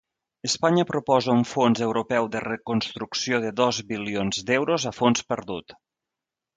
Espanya proposa un fons europeu de reconstrucció de dos bilions d'euros a fons perdut.